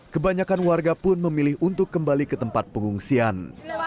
kebanyakan warga pun memilih untuk kembali ke tempat pengungsian